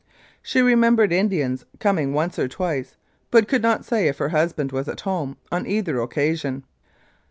She remembered Indians coming once or twice, but could not say if her husband was at home on either occasion.